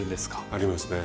ありますね。